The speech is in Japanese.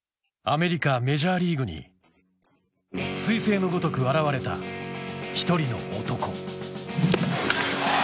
アメリカ・メジャーリーグに彗星のごとく現れた一人の男。